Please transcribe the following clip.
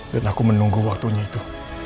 aku menunggu waktunya itu